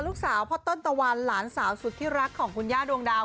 ลูกสาวพ่อเติ้ลตะวันหลานสาวสุดที่รักของคุณย่าดวงดาว